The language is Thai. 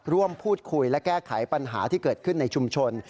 ร่วมพูดคุยและแก้ไขปัญหาที่เกิดขึ้นในชุมชน